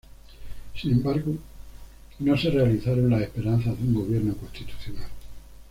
Sin embargo, no se realizaron las esperanzas de un gobierno constitucional.